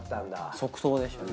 即答でしたね。